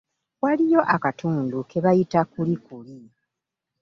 Waliyo akatundu ke bayita Kulikuli.